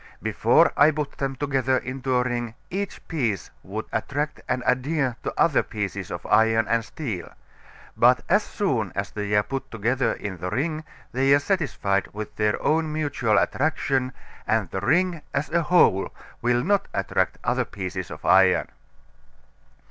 Before I put them together into a ring each piece would attract and adhere to other pieces of iron or steel. But as soon as they are put together in the ring they are satisfied with their own mutual attraction, and the ring as a whole will not attract other pieces of iron.